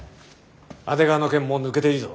阿出川の件もう抜けていいぞ。